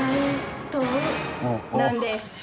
なんです。